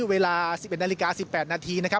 เวลา๑๑นาฬิกา๑๘นาที